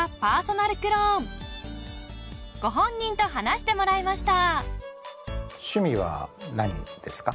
ご本人と話してもらいました。